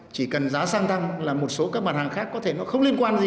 chỉ cần giá xăng thăng là một số các bản hàng khác có thể nó không liên quan gì